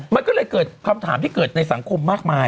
มันก็เลยเกิดคำถามที่เกิดในสังคมมากมาย